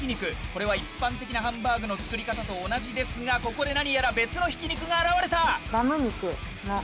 これは一般的なハンバーグの作り方と同じですがここで何やら別のひき肉が現れた！